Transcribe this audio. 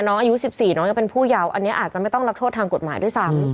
น้องอายุ๑๔น้องยังเป็นผู้เยาว์อันนี้อาจจะไม่ต้องรับโทษทางกฎหมายด้วยซ้ำ